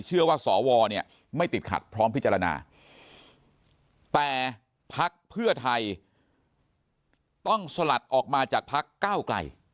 เชื่อว่าสวเนี่ยไม่ติดขัดพร้อมพิจารณาแต่พักเพื่อไทยต้องสลัดออกมาจากพักก้าวไกล